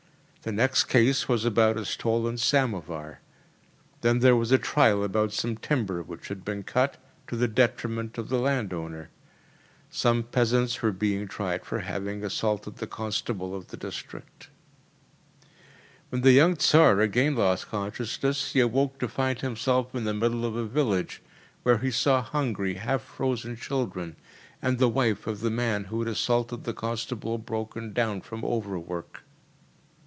The next case was about a stolen samovar. Then there was a trial about some timber which had been cut, to the detriment of the landowner. Some peasants were being tried for having assaulted the constable of the district. When the young Tsar again lost consciousness, he awoke to find himself in the middle of a village, where he saw hungry, half frozen children and the wife of the man who had assaulted the constable broken down from overwork.